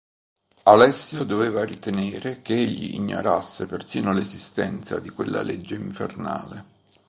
Alessia doveva ritenere che egli ignorasse persino l'esistenza di quella legge infernale.